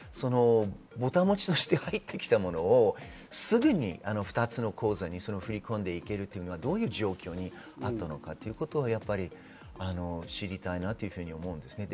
ぼた餅として入ってきたものをすぐに２つの口座に振り込んで行けるというのはどういう状況にあったのか、知りたいなと思います。